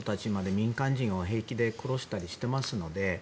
民間人を平気で殺したりしてますので。